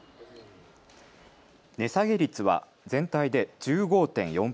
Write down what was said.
値下げ率は全体で１５．４％。